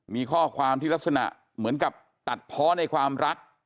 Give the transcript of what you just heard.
มีข้อความที่ลักษณะเหมือนกับตัดเพาะในความรัก